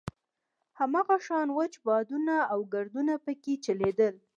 هماغه شان وچ بادونه او ګردونه په کې چلېدل.